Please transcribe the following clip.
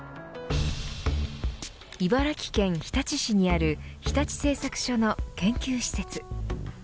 茨城県日立市にある日立製作所の研究施設。